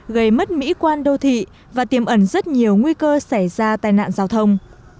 gây mất mỹ quan đô thị và tiềm ẩn rất nhiều nguy cơ xảy ra tai nạn giao thông